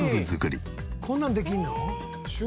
こんなんできるの？